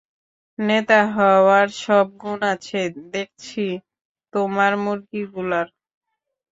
নেতা হওয়ার সব গুন আছে দেখছি, তোমার মুরগিগুলার।